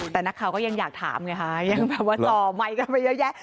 แต่นักข่าวก็ยังอยากถามไงคะยังแบบว่าจ่อไมค์กันไปเยอะแยะ